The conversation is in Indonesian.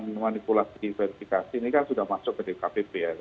soal dugaan manipulasi verifikasi ini kan sudah masuk ke dkpp ya